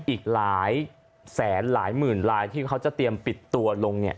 อีกหลายแสนหลายหมื่นลายที่เขาจะเตรียมปิดตัวลงเนี่ย